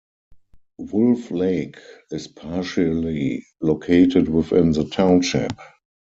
Wolf Lake is partially located within the township.